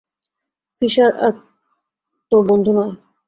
Fisher আর তোর বন্ধু নয়।